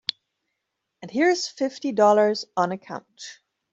And here's fifty dollars on account.